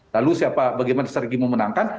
lalu bagaimana sergi memenangkan